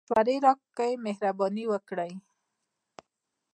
مشوري راکړئ مهربانی وکړئ